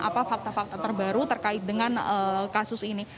apa fakta fakta terbaru terkait dengan kasus ini